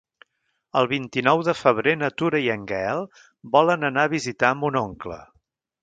El vint-i-nou de febrer na Tura i en Gaël volen anar a visitar mon oncle.